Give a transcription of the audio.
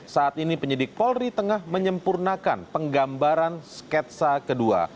saat ini penyidik polri tengah menyempurnakan penggambaran sketsa kedua